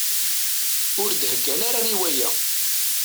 Ur d-heggan ara i waya.